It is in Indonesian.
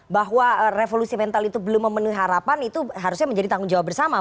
bahwa revolusi mental itu belum memenuhi harapan itu harusnya menjadi tanggung jawab bersama